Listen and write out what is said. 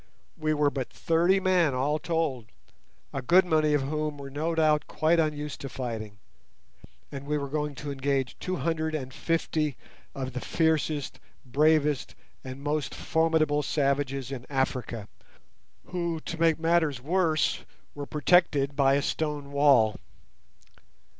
We were but thirty men all told, a good many of whom were no doubt quite unused to fighting, and we were going to engage two hundred and fifty of the fiercest, bravest, and most formidable savages in Africa, who, to make matters worse, were protected by a stone wall.